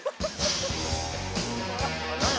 何や？